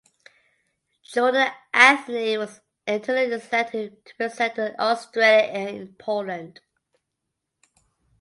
Jordan Anthony was internally selected to represent Australia in Poland.